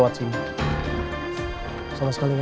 mbak liat foto anak ini gak